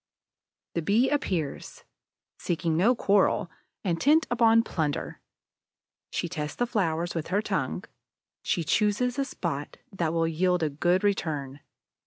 The Bee appears, seeking no quarrel, intent upon plunder. She tests the flowers with her tongue; she chooses a spot that will yield a good return.